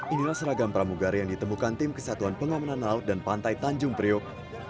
inilah seragam pramugari yang ditemukan tim kesatuan pengamanan laut dan pantai tanjung priok